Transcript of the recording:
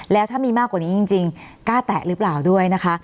แล้วถ้ามีมากกว่านี้จริงกล้าแตะหรือเปล่าด้วยนะคะ